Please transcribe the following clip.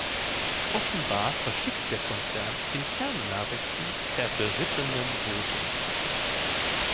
Offenbar verschickt der Konzern interne Nachrichten per berittenem Boten.